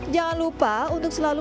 jangan lupa untuk selalu